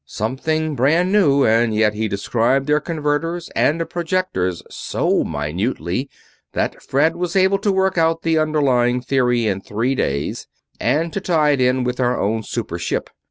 Something brand new, and yet he described their converters and projectors so minutely that Fred was able to work out the underlying theory in three days, and to tie it in with our own super ship.